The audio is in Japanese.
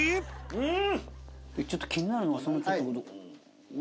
うん。